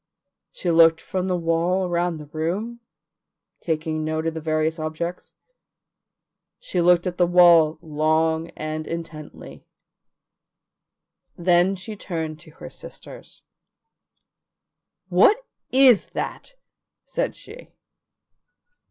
She looked from the wall around the room, taking note of the various objects; she looked at the wall long and intently. Then she turned to her sisters. "What IS that?" said she.